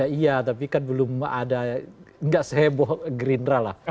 iya iya tapi kan belum ada nggak seheboh gerindra lah